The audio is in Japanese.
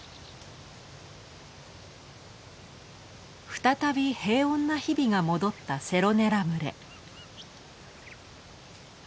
再び平穏な日々が戻ったセロネラ群れ。